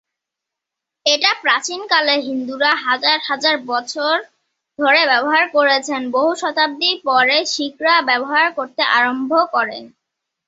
এটা প্রাচীন কালে হিন্দুরা হাজার হাজার বছর ধরে ব্যবহার করেছেন, বহু শতাব্দী পরে শিখরা ব্যবহার করতে আরম্ভ করেন।